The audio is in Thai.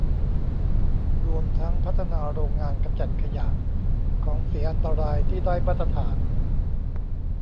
รวมทั้งพัฒนาโรงงานกำจัดขยะ ของเสียอันตรายที่ได้มาตรฐาน